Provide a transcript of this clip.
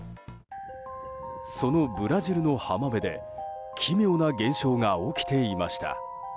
そのブラジルの浜辺で奇妙な現象が起きていました。